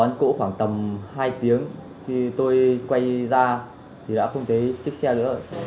với anh cổ khoảng tầm hai tiếng khi tôi quay ra thì đã không thấy chiếc xe nữa